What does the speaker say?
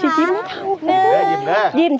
เฮ่ยฉีกยิ้มเลยค่ะ